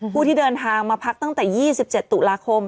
ผู้ที่เดินทางมาพักตั้งแต่๒๗ตุลาคม